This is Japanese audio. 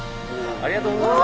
ありがとうございます。